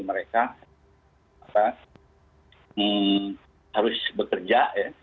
mereka harus bekerja ya